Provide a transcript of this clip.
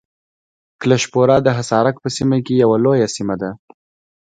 کلشپوره د حصارک په سیمه کې یوه لویه سیمه ده.